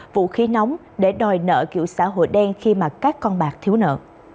vũ khí nóng để đòi nợ kiểu xã hội đen khi mà các con bạc thiếu nợ